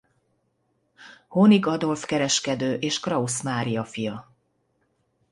Honig Adolf kereskedő és Krausz Mária fia.